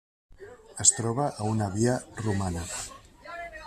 Es troba a una via Romana.